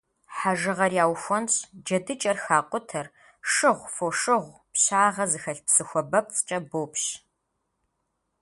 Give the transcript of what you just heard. Хьэжыгъэр яухуэнщӏ, джэдыкӏэр хакъутэр шыгъу, фошыгъу, пщагъэ зыхэлъ псы хуабэпцӏкӏэ бопщ.